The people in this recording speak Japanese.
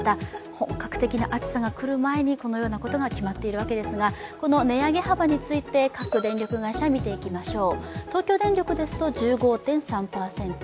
本格的な暑さが来る前に、このようなことが決まったわけですがこの値上げ幅について、各電力会社見ていきましょう。